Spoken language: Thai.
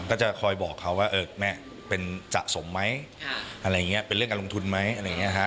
ก็จะคอยบอกเขาว่าแม่เป็นสะสมไหมอะไรอย่างนี้เป็นเรื่องการลงทุนไหมอะไรอย่างนี้ฮะ